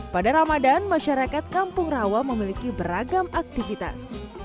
pada ramadan masyarakat kampung rawa memiliki beragam aktivitas